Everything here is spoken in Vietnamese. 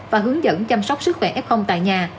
và hướng dẫn chăm sóc sức khỏe f tại nhà